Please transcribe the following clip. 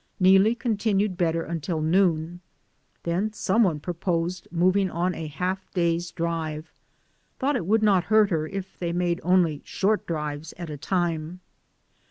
Neelie continued bet ter until noon, then some one proposed mov ing on a half day's drive, thought it would not hurt her if they made only short drives at a time.